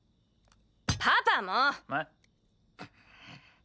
パパも！え？